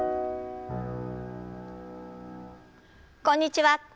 こんにちは。